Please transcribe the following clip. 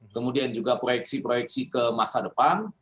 kemudian juga proyeksi proyeksi ke masa depan